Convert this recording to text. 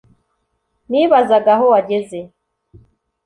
nibazaga aho wageze